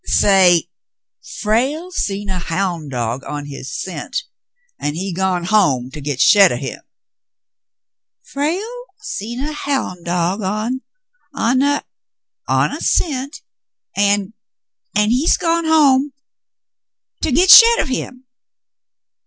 '' "Say, * Frale seen a houn' dog on his scent, an' he's gone home to git shet of him.' " "Frale seen a houn' dog on — on a — a cent, an' — an' — an' he's gone home to — to get shet of him.